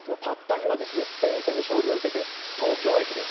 今スペイン戦の勝利を受けて東京駅です。